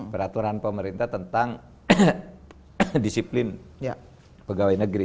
peraturan pemerintah tentang disiplin pegawai negeri